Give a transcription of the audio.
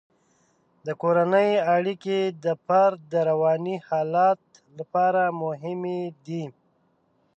د کورنۍ اړیکې د فرد د رواني حالت لپاره مهمې دي.